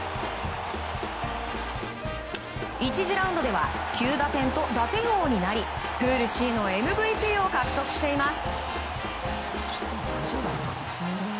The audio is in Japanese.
１次ラウンドでは９打点と打点王になりプールＣのＭＶＰを獲得しています。